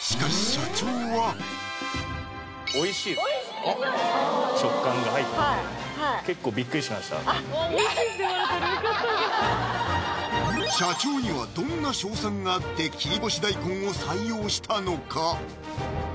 しかし社長は社長にはどんな勝算があって切り干し大根を採用したのか？